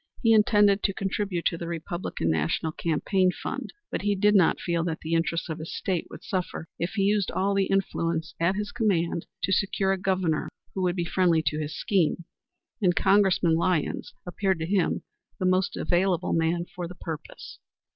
He intended to contribute to the Republican national campaign fund, but he did not feel that the interests of his State would suffer if he used all the influences at his command to secure a Governor who would be friendly to his scheme, and Congressman Lyons appeared to him the most available man for his purpose.